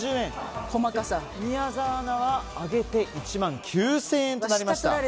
宮澤アナは上げて１万９０００円となりました。